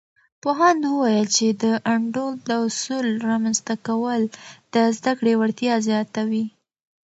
پوهاند وویل، چې د انډول د اصل رامنځته کول د زده کړې وړتیا زیاتوي.